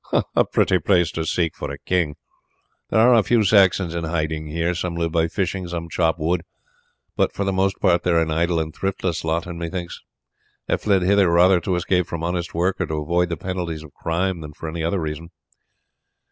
"A pretty place to seek for a king!" he replied. "There are a few Saxons in hiding here. Some live by fishing, some chop wood; but for the most part they are an idle and thriftless lot, and methinks have fled hither rather to escape from honest work or to avoid the penalties of crimes than for any other reason."